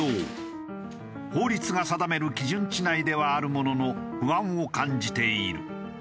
法律が定める基準値内ではあるものの不安を感じている。